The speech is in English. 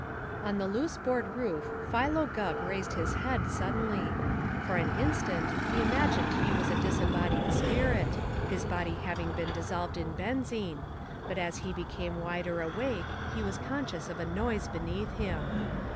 On the loose board roof Philo Gubb raised his head suddenly. For an instant he imagined he was a disembodied spirit, his body having been dissolved in benzine, but as he became wider awake he was conscious of a noise beneath him.